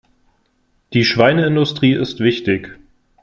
Die Schweineindustrie ist wichtig.